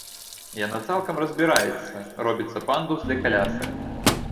Яна цалкам разбіраецца, робіцца пандус для калясак.